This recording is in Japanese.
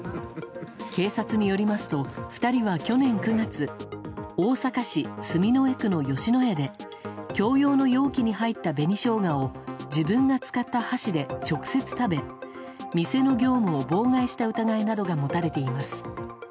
警察によりますと２人は去年９月大阪市住之江区の吉野家で共用の容器に入った紅ショウガを自分が使った箸で直接食べ店の業務を妨害した疑いなどが持たれています。